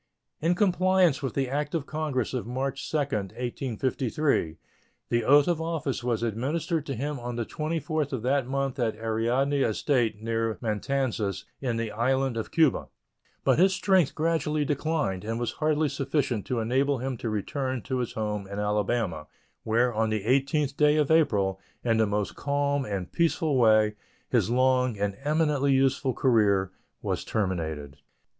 In compliance with the act of Congress of March 2, 1853, the oath of office was administered to him on the 24th of that month at Ariadne estate, near Matanzas, in the island of Cuba; but his strength gradually declined, and was hardly sufficient to enable him to return to his home in Alabama, where, on the 18th day of April, in the most calm and peaceful way, his long and eminently useful career was terminated.